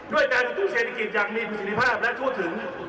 ด้วยการกระตุ้นเศรษฐกิจอย่างมีประสิทธิภาพและทั่วถึง